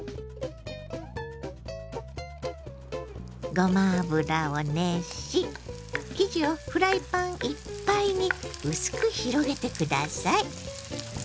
ごま油を熱し生地をフライパンいっぱいに薄く広げて下さい。